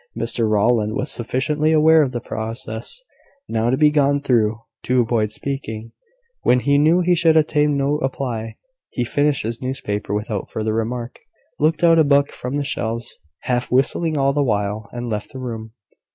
Mr Rowland was sufficiently aware of the process now to be gone through, to avoid speaking, when he knew he should obtain no reply. He finished his newspaper without further remark, looked out a book from the shelves, half whistling all the while, and left the room.